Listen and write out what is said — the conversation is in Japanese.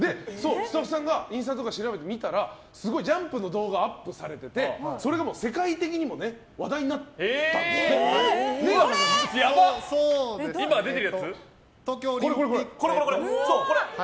スタッフさんがインスタとか調べてみたらすごいジャンプの動画アップされてて世界的にも話題になっている。